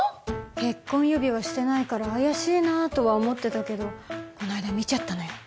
結婚指輪してないから怪しいなとは思ってたけどこの間見ちゃったのよ